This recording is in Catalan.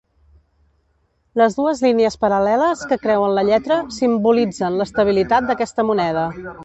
Les dues línies paral·leles que creuen la lletra simbolitzen l'estabilitat d'aquesta moneda.